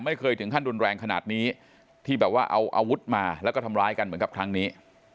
ไม่เคยถึงขั้นรุนแรงขนาดนี้ที่แบบว่าเอาอาวุธมาแล้วก็ทำร้ายกันเหมือนกับครั้งนี้